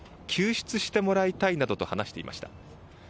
救出してもらいたいなどと話していました。